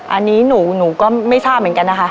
อันนี้หนูก็ไม่ทราบเหมือนกันนะคะ